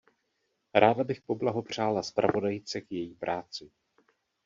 Ráda bych poblahopřála zpravodajce k její práci.